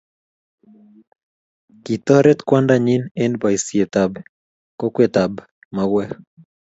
kitoret kwandanyin eng boisietab kokwetab mauek